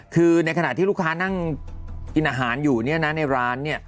คือในขณะที่ลูกค้านั่งกินอาหารอยู่ในร้าน